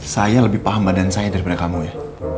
saya lebih paham badan saya daripada kamu ya